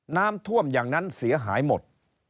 น้ำท่วมอย่างนั้นเสียหายหมด